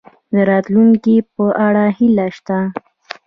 د راتلونکي په اړه هیله شته؟